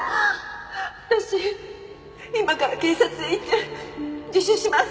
私今から警察へ行って自首します